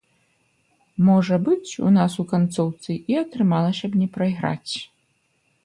Можа быць, у нас у канцоўцы і атрымалася б не прайграць.